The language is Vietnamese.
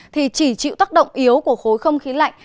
thì chỉ chịu tác động yếu của khối không khí lạnh